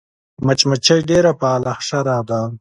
مچمچۍ ډېره فعاله حشره ده